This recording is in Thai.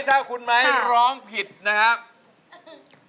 ถ้าคุณไม้ร้องผิดนะครับ